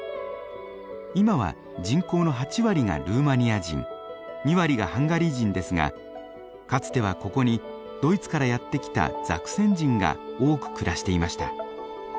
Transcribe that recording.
今は人口の８割がルーマニア人２割がハンガリー人ですがかつてはここにドイツからやって来たザクセン人が多く暮らしていました。